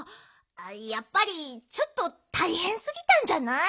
やっぱりちょっとたいへんすぎたんじゃない？